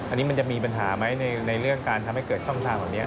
อันนี้มันจะมีปัญหาไหมในเรื่องการทำให้เกิดช่องทางแบบนี้